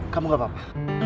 kamu gak apa apa